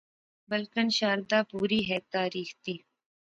بلکن شاردا پوری ہیک تاریخ دی